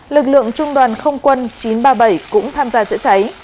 lực lượng trung đoàn không quân chín trăm ba mươi bảy cũng tham gia chữa cháy